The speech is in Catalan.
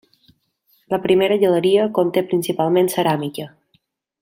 La primera galeria conté principalment ceràmica.